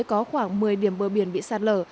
có khoảng một mươi điểm bờ biển bị sạt lở